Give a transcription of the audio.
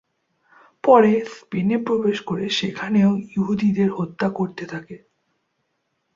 পরে স্পেনে প্রবেশ করে সেখানেও ইহুদীদের হত্যা করতে থাকে।